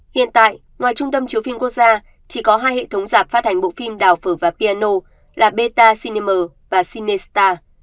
hiện tại ngoài trung tâm chiếu phim quốc gia chỉ có hai hệ thống giạp phát hành bộ phim đào phở và piano là beta cinimer và cinesta